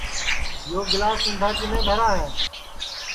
یو گَِلاس اُندھا کِنے دھرا ہے